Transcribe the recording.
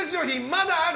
まだある？